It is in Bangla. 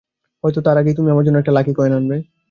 হয়তো তার আগেই তুমি আমার জন্য একটা লাকি কয়েন আনবে।